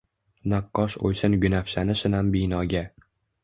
Naqqosh o’ysin gunafshani shinam binoga!